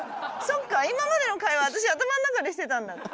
そっか今までの会話私頭の中でしてたんだ。